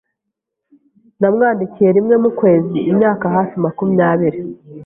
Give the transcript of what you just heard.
[S] Namwandikiye rimwe mu kwezi imyaka hafi makumyabiri.